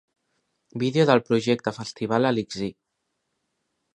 Vídeo del projecte Festival Elixir.